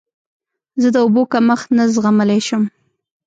زه د اوبو کمښت نه زغملی شم.